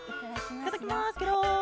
いただきます。